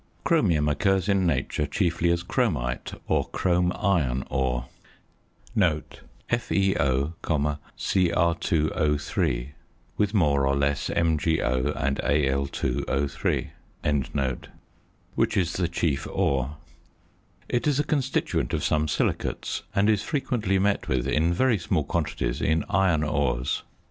Chromium occurs in nature chiefly as chromite or chrome iron ore (FeO_Cr_O_, with more or less MgO and Al_O_), which is the chief ore. It is a constituent of some silicates, and is frequently met with in very small quantities in iron ores.